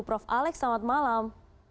prof alex selamat malam